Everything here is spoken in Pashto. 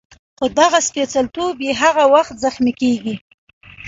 خو دغه سپېڅلتوب یې هغه وخت زخمي کېږي.